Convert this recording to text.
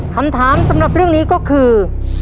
คำถามสำหรับเรื่องนี้ก็คือ